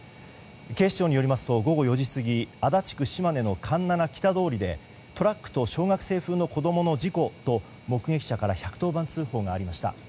警視庁によりますと午後４時過ぎ足立区島根の環七北通りでトラックと小学生風の子供の事故と目撃者から１１０番通報がありました。